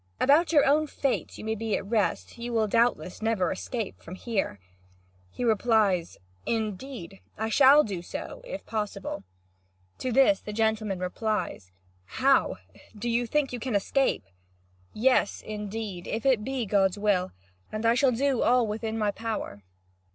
About your own fate, you may be at rest, you will doubtless never escape from here." He replies: "Indeed, I shall do so, if possible." To this the gentleman replies: "How? Do you think you can escape?" "Yes, indeed, if it be God's will; and I shall do all within my power."